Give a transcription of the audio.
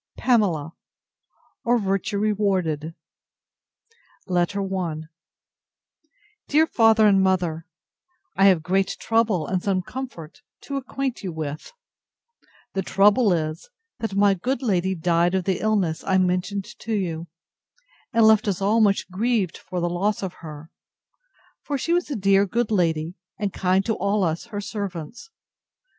PAMELA, or VIRTUE REWARDED LETTER I DEAR FATHER AND MOTHER, I have great trouble, and some comfort, to acquaint you with. The trouble is, that my good lady died of the illness I mentioned to you, and left us all much grieved for the loss of her; for she was a dear good lady, and kind to all us her servants.